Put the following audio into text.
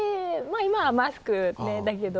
今はマスクだけど。